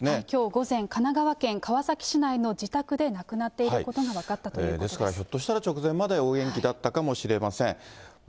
きょう午前、神奈川県川崎市内の自宅で亡くなっていたことが分かったというこですからひょっとしたら直前までお元気だったかもしれません。